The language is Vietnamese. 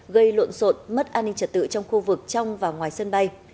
gây luộn rộn mất an ninh trật tự trong khu vực trong và ngoài sân bay